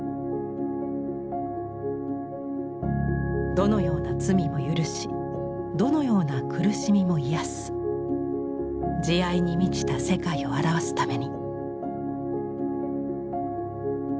どのような罪も許しどのような苦しみも癒やす慈愛に満ちた世界を表すために。